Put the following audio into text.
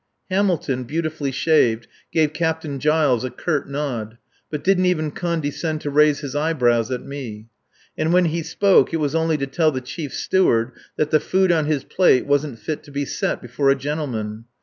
Hamilton, beautifully shaved, gave Captain Giles a curt nod, but didn't even condescend to raise his eyebrows at me; and when he spoke it was only to tell the Chief Steward that the food on his plate wasn't fit to be set before a gentleman.